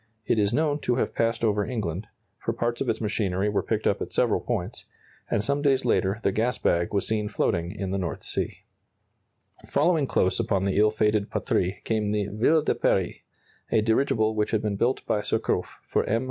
It is known to have passed over England, for parts of its machinery were picked up at several points, and some days later the gas bag was seen floating in the North Sea. [Illustration: The "Ville de Paris" of M. de la Meurthe.] Following close upon the ill fated "Patrie" came the "Ville de Paris," a dirigible which had been built by Surcouf for M.